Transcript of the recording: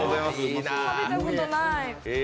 食べたことない。